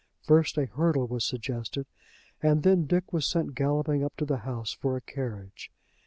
First a hurdle was suggested, and then Dick was sent galloping up to the house for a carriage.